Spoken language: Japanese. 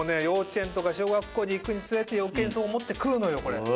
幼稚園とか小学校に行くにつれて余計にそう思って来るのよこれ。